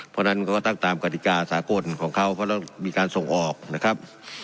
เพราะฉะนั้นเขาก็ตั้งตามกฎิกาสากลของเขาเพราะเรามีการส่งออกนะครับ